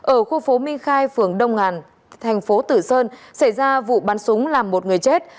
ở khu phố minh khai phường đông hàn tp tử sơn xảy ra vụ bắn súng làm một người chết